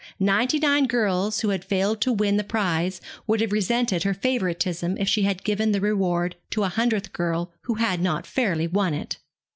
Ninety nine girls who had failed to win the prize would have resented her favouritism if she had given the reward to a hundredth girl who had not fairly won it.